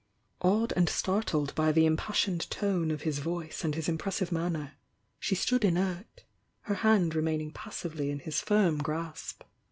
" Awed and startled by the impassioned tone of his voice and his impressive manner, she stood inert, her hand remaining passively in his firm grasp.